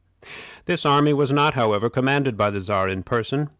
This army was not, however, commanded by the Czar in person.